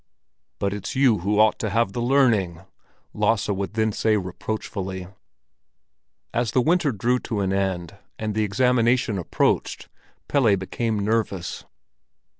"But it's you who ought to have the learning," Lasse would then say reproachfully. As the winter drew to an end, and the examination approached, Pelle became nervous.